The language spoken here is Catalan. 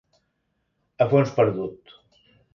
A fons perdut.